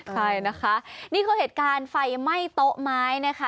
ใช่นะคะนี่คือเหตุการณ์ไฟไหม้โต๊ะไม้นะคะ